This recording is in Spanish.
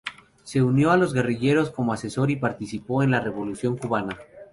Se unió a los guerrilleros como asesor y participó en la revolución cubana.